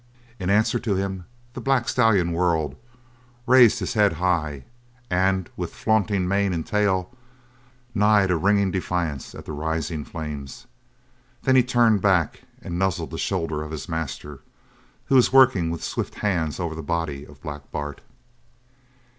In answer to him, the black stallion whirled, raised his head high, and, with flaunting mane and tail, neighed a ringing defiance at the rising flames. Then he turned back and nuzzled the shoulder of his master, who was working with swift hands over the body of Black Bart.